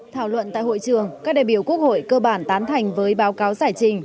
thảo luận tại hội trường các đại biểu quốc hội cơ bản tán thành với báo cáo giải trình